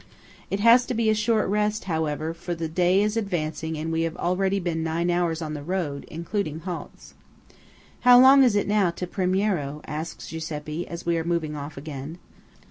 It has to be a short rest, however, for the day is advancing and we have already been nine hours on the road, including halts. "How long is it now to Primiero?" asks Giuseppe, as we are moving off again.